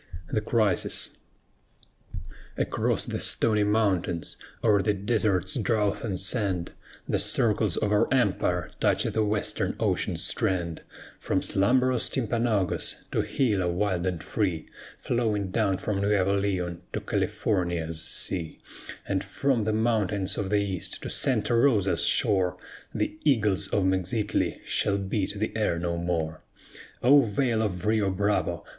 THE CRISIS Across the Stony Mountains, o'er the desert's drouth and sand, The circles of our empire touch the western ocean's strand; From slumberous Timpanogos to Gila, wild and free, Flowing down from Nuevo Leon to California's sea; And from the mountains of the east, to Santa Rosa's shore, The eagles of Mexitli shall beat the air no more. O Vale of Rio Bravo!